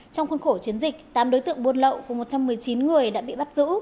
trong khuôn khổ chiến dịch tám đối tượng buôn lậu cùng một trăm một mươi chín người đã bị bắt giữ